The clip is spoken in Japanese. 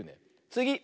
つぎ！